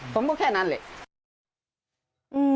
ผมก็แค่นั้นเลย